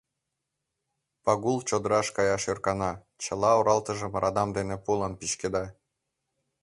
Пагул чодыраш каяш ӧркана, чыла оралтыжым радам дене пулан пӱчкеда.